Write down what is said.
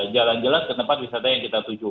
jalan jalan ke tempat wisata yang kita tuju